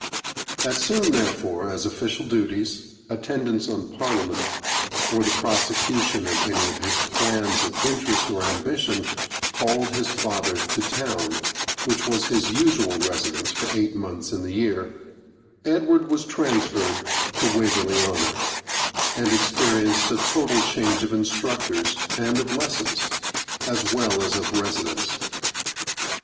As soon, therefore, as official duties, attendance on Parliament, or the prosecution of any of his plans of interest or ambition, called his father to town, which was his usual residence for eight months in the year, Edward was transferred to Waverley Honour, and experienced a total change of instructors and of lessons, as well as of residence.